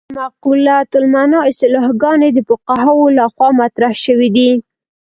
د معقولة المعنی اصطلاحګانې د فقهاوو له خوا مطرح شوې دي.